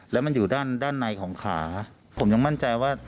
แล้วมันอยู่ด้านในของขาผมยังมั่นใจว่า